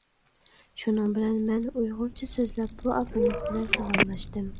شۇنىڭ بىلەن مەن ئۇيغۇرچە سۆزلەپ بۇ ئاكىمىز بىلەن سالاملاشتىم.